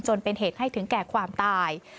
จนเป็นเหตุให้ถึงแก่ความตาย